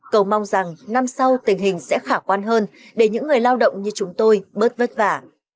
cầu mong rằng năm sau tình hình sẽ khả quan hơn để những người lao động như chúng tôi bớt vất vả